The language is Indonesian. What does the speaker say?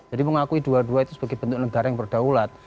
jadi mengakui dua dua itu sebagai bentuk negara yang berdaulat